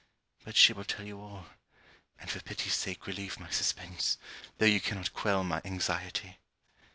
But she will tell you all; and for pity's sake relieve my suspence, though you cannot quell my anxiety!